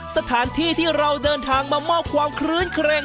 สถานที่ที่เราเดินทางมามอบความคลื้นเครง